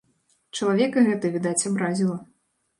Чалавека гэта, відаць, абразіла.